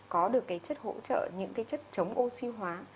có được cái chất hỗ trợ những cái chất chống oxy hóa